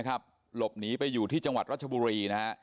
หลบหนีไปอยู่ที่จังหวัดรัชบุรีนะฮะ